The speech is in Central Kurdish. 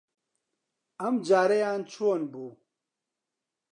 ئەمجارەیان چۆن بوو؟